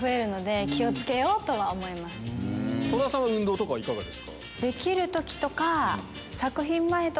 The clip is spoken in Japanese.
戸田さんは運動とかいかがですか？